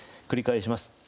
繰り返します。